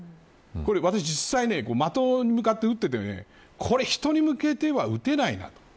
私は、実際に的に向かって撃っていてこれ人に向けては撃てないなと。